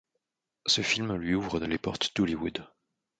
Ce film lui ouvre les portes d'Hollywood.